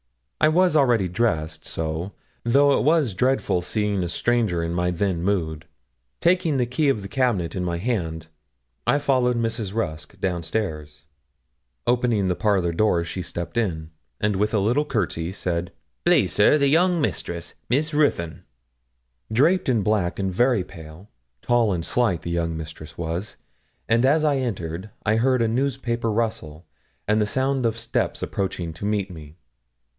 I was already dressed, so, though it was dreadful seeing a stranger in my then mood, taking the key of the cabinet in my hand, I followed Mrs. Rusk downstairs. Opening the parlour door, she stepped in, and with a little courtesy said, 'Please, sir, the young mistress Miss Ruthyn.' Draped in black and very pale, tall and slight, 'the young mistress' was; and as I entered I heard a newspaper rustle, and the sound of steps approaching to meet me.